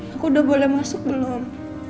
aku udah boleh masuk belum